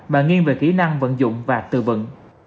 mà nghiêng về kỹ năng vận dụng và tư vận